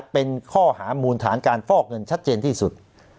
เป็นข้อหามูลฐานการฟอกเงินชัดเจนที่สุด